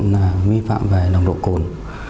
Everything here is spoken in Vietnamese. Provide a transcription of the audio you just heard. là vi phạm về lòng độ cồn